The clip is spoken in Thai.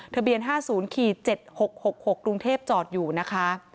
ทะเบียน๕๐๗๖๖๖กรุงเทพจอดอยู่นะคะ